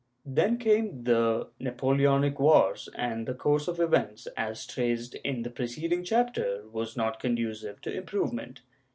Then came the Napoleonic wars, and the course of events, as traced in the preceding chapter, was not conducive to improvement.